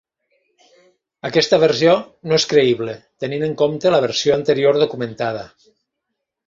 Aquesta versió no és creïble, tenint en compte la versió anterior documentada.